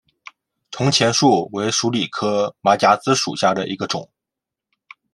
铜钱树为鼠李科马甲子属下的一个种。